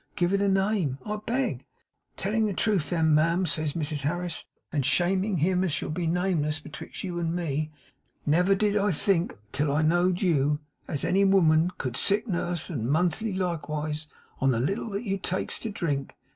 Give it a name, I beg." "Telling the truth then, ma'am," says Mrs Harris, "and shaming him as shall be nameless betwixt you and me, never did I think till I know'd you, as any woman could sick nurse and monthly likeways, on the little that you takes to drink."